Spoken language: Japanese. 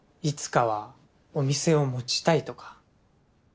いつかはお店を持ちたいとか。